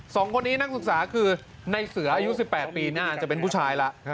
สองคนนี้นักศึกษาคือในเสืออายุ๑๘ปีน่าจะเป็นผู้ชายแล้ว